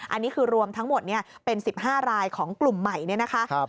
อันนี้คือรวมทั้งหมดเป็น๑๕รายของกลุ่มใหม่เนี่ยนะคะ